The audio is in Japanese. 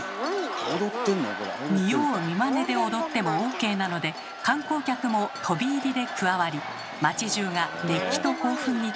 見よう見まねで踊ってもＯＫなので観光客も飛び入りで加わり町じゅうが熱気と興奮に包まれます。